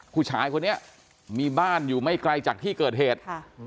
ผู้ชายคนนี้มีบ้านอยู่ไม่ไกลจากที่เกิดเหตุ